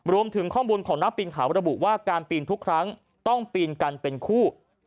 รวมถึงข้อมูลของนักปีนขาวระบุว่าการปีนทุกครั้งต้องปีนกันเป็นคู่